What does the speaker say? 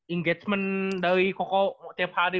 engagement dari koko tiap hari